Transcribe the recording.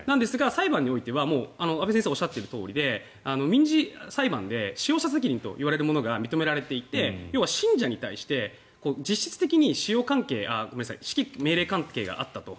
裁判においては阿部先生がおっしゃっているとおりで民事裁判で使用者責任といわれるものが認められていて要は信者に対して、実質的に指揮命令関係があったと。